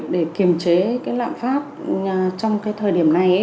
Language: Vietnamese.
để kiểm chế lạm phát trong thời điểm này